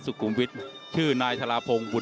สวัสดีครับ